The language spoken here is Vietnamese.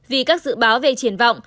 vì các dự báo về triển vọng